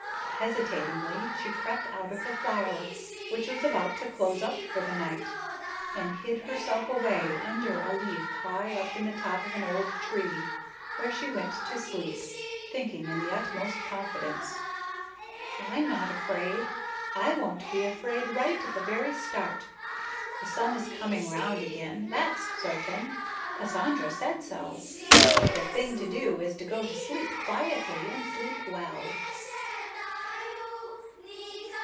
Hesitatingly she crept out of the flower, which was about to close up for the night, and hid herself away under a leaf high up in the top of an old tree, where she went to sleep, thinking in the utmost confidence: "I'm not afraid. I won't be afraid right at the very start. The sun is coming round again; that's certain; Cassandra said so. The thing to do is to go to sleep quietly and sleep well."